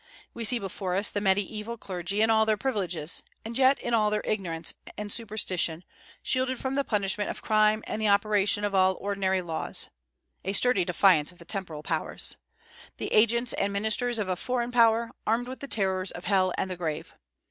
We see before us the Mediaeval clergy in all their privileges, and yet in all their ignorance and superstition, shielded from the punishment of crime and the operation of all ordinary laws (a sturdy defiance of the temporal powers), the agents and ministers of a foreign power, armed with the terrors of hell and the grave.